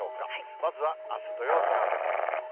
まずはあす土曜日からです。